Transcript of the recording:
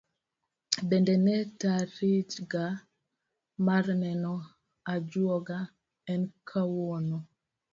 Bende ne tariga mar neno ajuoga en kawuono?